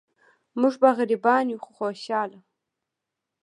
مونږ به غریبان یو خو خوشحاله.